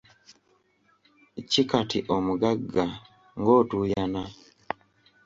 Ki kati omugagga, ng'otuuyana.